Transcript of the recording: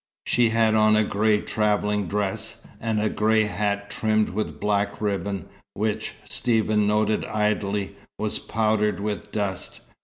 She had on a grey travelling dress, and a grey hat trimmed with black ribbon, which, Stephen noted idly, was powdered with dust.